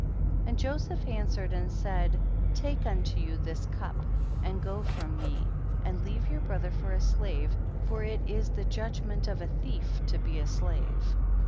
17. And Joseph answered and said, take unto you this cup and go from me and leave your brother for a slave, for it is the judgment of a thief to be a slave.